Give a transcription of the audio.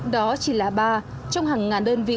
đó chỉ là ba trong hàng ngàn đơn vị